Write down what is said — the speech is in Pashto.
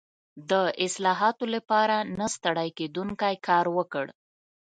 د اصلاحاتو لپاره نه ستړی کېدونکی کار وکړ.